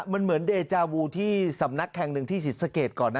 มันเหมือนเดจาวูที่สำนักแห่งหนึ่งที่ศรีสะเกดก่อนนะ